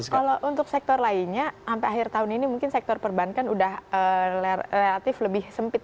kalau untuk sektor lainnya sampai akhir tahun ini mungkin sektor perbankan sudah relatif lebih sempit